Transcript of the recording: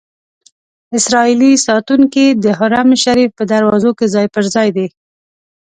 اسرائیلي ساتونکي د حرم شریف په دروازو کې ځای پر ځای دي.